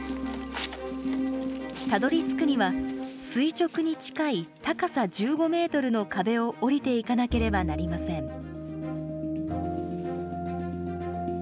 たどりつくには、垂直に近い高さ１５メートルの壁を降りていかなければなりません。